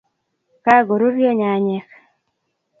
kagoruryo nyayek